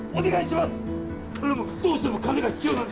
頼むどうしても金が必要なんだ。